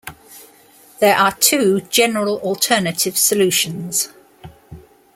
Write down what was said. There are two general alternative solutions.